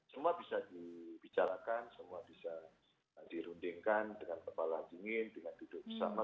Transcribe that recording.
semua bisa dibicarakan semua bisa dirundingkan dengan kepala dingin dengan duduk bersama